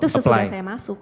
oh itu sesudah saya masuk